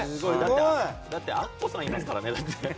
だってアッコさんいますからね。